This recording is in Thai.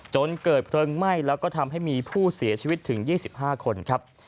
จนเกิดเพลิงไหม้แล้วก็ทำให้มีผู้เสียชีวิตถึง๒๕คนครับ